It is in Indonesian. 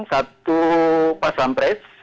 satu pak sampres